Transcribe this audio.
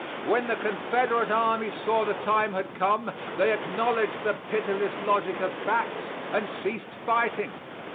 When the Confederate army saw the time had come, they acknowledged the pitiless logic of facts and ceased fighting.